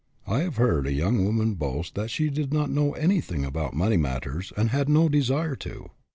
I have heard a young woman boast that she did not know anything about money mat ters, and had no desire to.